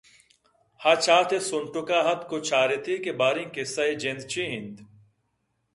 آچات ءِ سُنٹک ءَ اتک ءُ چار یتے کہ باریں قصّہ ءِ جند چی اِنت